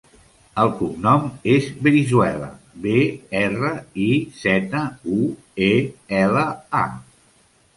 El cognom és Brizuela: be, erra, i, zeta, u, e, ela, a.